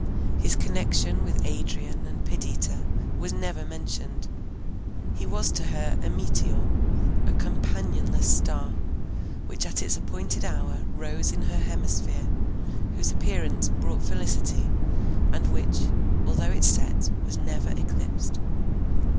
His connection with Adrian and Perdita was never mentioned; he was to her a meteor, a companionless star, which at its appointed hour rose in her hemisphere, whose appearance brought felicity, and which, although it set, was never eclipsed.